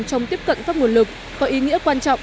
trong tiếp cận các nguồn lực có ý nghĩa quan trọng